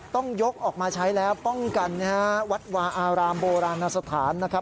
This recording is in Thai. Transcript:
ต้องยกออกมาใช้แล้วป้องกันนะฮะวัดวาอารามโบราณสถานนะครับ